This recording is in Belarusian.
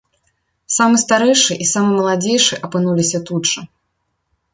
Самы старэйшы і самы маладзейшы апынуліся тут жа.